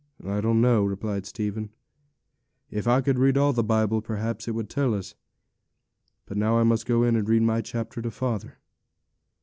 'I don't know,' replied Stephen; 'if I could read all the Bible, perhaps it would tell us. But now I must go in and read my chapter to father.'